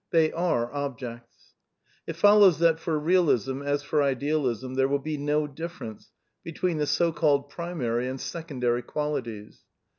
They are objects. It follows that for Eealism, as for Idealism, there will ^ be no difference between the so called primary and sec ondary qualities.